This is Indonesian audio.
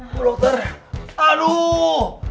bu dokter aduh